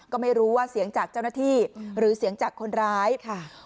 ก็ไม่รู้ว่าเสียงจากเจ้าหน้าที่หรือเสียงจากคนร้ายค่ะ